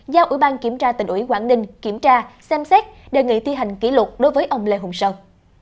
giao ủy ban kiểm tra tỉnh ủy quảng đình kiểm tra xem xét đề nghị thi hành kỷ lục đối với ông lê hồng sơn